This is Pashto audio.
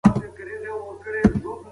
هره ورځ بچے د ښوونځي لاندې خوشحالېږي.